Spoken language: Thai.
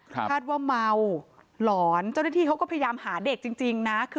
คาดว่าเมาหลอนเจ้าหน้าที่เขาก็พยายามหาเด็กจริงนะคือ